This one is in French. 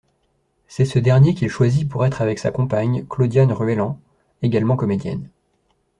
C'est ce dernier qu'il choisit pour être avec sa compagne, Claudiane Ruelland, également comédienne.